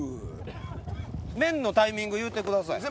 麺のタイミング言うてください。